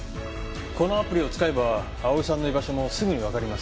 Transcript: このアプリを使えば蒼さんの居場所もすぐにわかります。